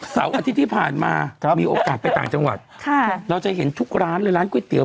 เสาร์อาทิตย์ที่ผ่านมามีโอกาสไปต่างจังหวัดเราจะเห็นทุกร้านเลยร้านก๋วยเตี๋ย